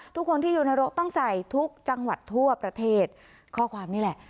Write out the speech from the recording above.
ทุกคนที่อยู่นรกต้องใส่ทุกจังหวัดทั่วประเทศข้อความนี่แหละ